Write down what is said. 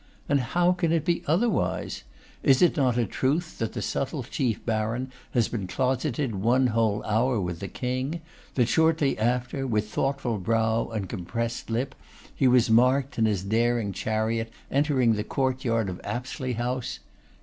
And how can it be otherwise? Is it not a truth that the subtle Chief Baron has been closeted one whole hour with the King; that shortly after, with thoughtful brow and compressed lip, he was marked in his daring chariot entering the courtyard of Apsley House?